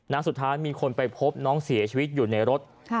สุดท้ายมีคนไปพบน้องเสียชีวิตอยู่ในรถ